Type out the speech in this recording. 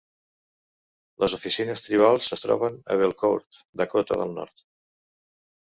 Les oficines tribals es troben a Belcourt, Dakota del Nord.